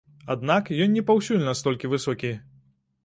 Аднак, ён не паўсюль настолькі высокі.